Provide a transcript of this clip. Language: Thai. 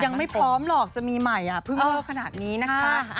ยังไม่พร้อมหรอกจะมีใหม่เพิ่งเวอร์ขนาดนี้นะคะ